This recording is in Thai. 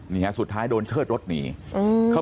นี่ฮะสุดท้ายโดนเชิดรถหนีอืม